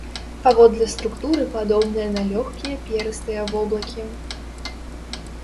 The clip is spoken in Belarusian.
Паводле структуры падобныя на лёгкія перыстыя воблакі.